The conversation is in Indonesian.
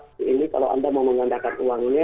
ini kalau anda mau mengandalkan uangnya